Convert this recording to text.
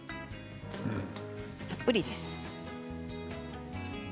たっぷりです。